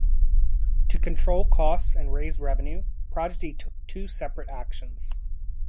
To control costs and raise revenue, Prodigy took two separate actions.